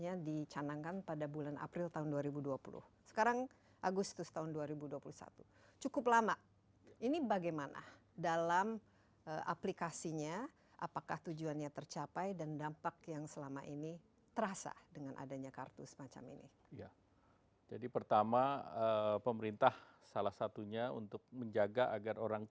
yang menarik ini adalah financial inclusion